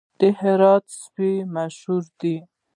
د هرات سپي مشهور دي